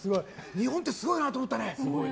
日本ってすごいなって思ったね。